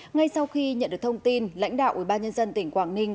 ngay sau khi nhận được thông tin lãnh đạo ủy ban nhân dân tỉnh quảng ninh